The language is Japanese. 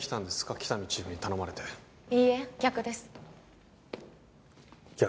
喜多見チーフに頼まれていいえ逆です逆？